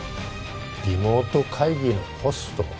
「リモート会議のホスト」。